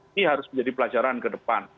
ini harus menjadi pelajaran ke depan